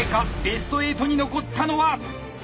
ベスト８に残ったのは。